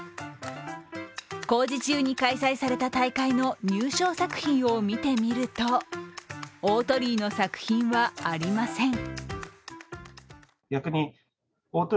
工事中に開催された大会の入賞作品を見てみると大鳥居の作品はありません。